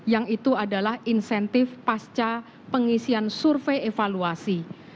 yang itu adalah insentif pasca pengisian survei evaluasi